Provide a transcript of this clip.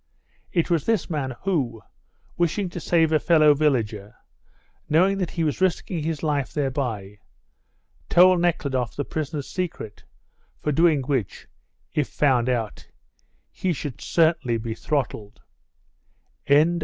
It was this man who, wishing to save a fellow villager, knowing that he was risking his life thereby, told Nekhludoff the prisoner's secret, for doing which (if found out) he should certainly be throttled.